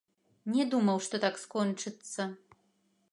Не думаў, што так скончыцца.